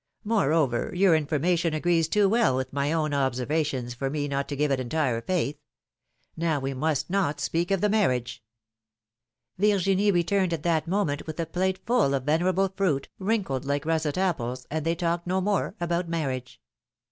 Moreover, your information agrees too well with my own observations for me not to give it entire faith. Now we must not speak of the marriage —" Virginie returned at that moment with a plate full of venerable fruit, wrinkled like russet apples, and they talked no more about marriage.